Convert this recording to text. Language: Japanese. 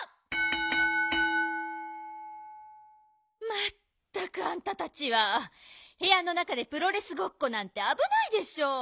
まったくあんたたちはへやの中でプロレスごっこなんてあぶないでしょう！